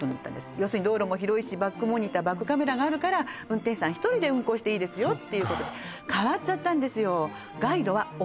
要するに道路も広いしバックモニターバックカメラがあるから運転手さん１人で運行していいですよっていうことで変わっちゃったんですよ